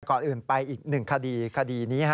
ก่อนอื่นไปอีก๑คดีคดีนี้